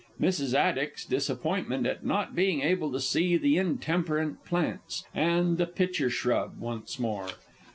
"_ Mrs. Addick's _disappointment at not being able to see the "Intemperate Plants," and the "Pitcher Shrub," once more.